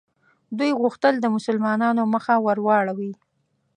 دوی غوښتل د مسلمانانو مخه ور واړوي.